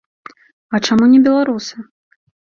А чаму не беларусы?